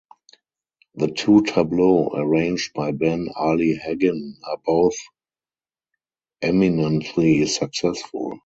The two tableaux arranged by Ben Ali Haggin are both eminently successful.